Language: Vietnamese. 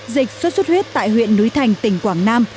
dịch sốt xuất huyết tại huyện núi thành tỉnh quảng nam